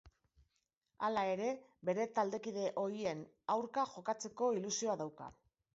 Hala ere, bere taldekide ohien aurka jokatzeko ilusioa dauka.